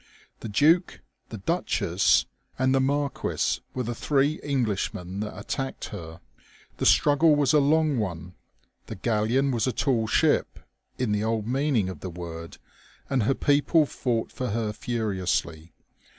The Duke, the DuchesSy and the Marquis were the three English men that attacked her. The struggle was a long one. The galleon was a tall ship, in the old meaning of the word, and her people fought for her furiously.